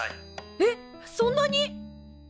えっそんなに！？